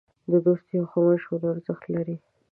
د دوست یوه ښه مشوره ارزښت لري.